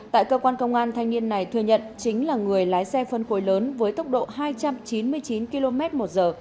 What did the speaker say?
tại cơ quan công an thanh niên này thừa nhận chính là người lái xe phân khối lớn với tốc độ hai trăm chín mươi chín km một giờ